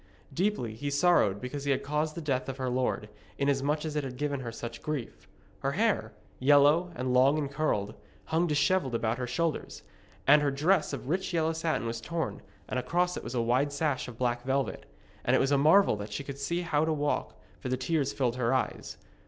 Deeply he sorrowed because he had caused the death of her lord, inasmuch as it had given her such grief. Her hair, yellow and long and curled, hung dishevelled about her shoulders, and her dress of rich yellow satin was torn, and across it was a wide sash of black velvet. And it was a marvel that she could see how to walk, for the tears filled her eyes.